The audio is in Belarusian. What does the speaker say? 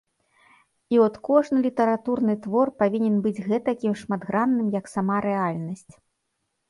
І от кожны літаратурны твор павінен быць гэтакім шматгранным, як сама рэальнасць.